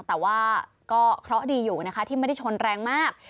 แต่ว่าก็เคราะห์ดีอยู่นะคะที่ไม่ได้ชนแรงมาก